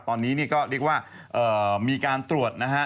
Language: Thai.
ตอนนี้นี่ก็เรียกว่ามีการตรวจนะฮะ